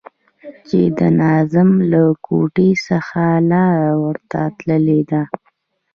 چې د ناظم له کوټې څخه لاره ورته تللې ده.